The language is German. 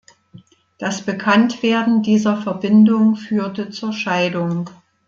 Das Bekanntwerden dieser Verbindung führte zur Scheidung.